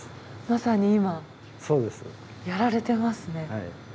まさに今やられてますね。